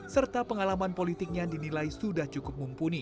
serta pengalaman politiknya dinilai sudah cukup mumpuni